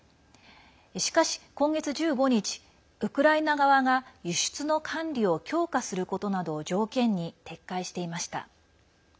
しかし、今月１５日ウクライナ側が輸出の管理を強化することなどを条件に撤回していました。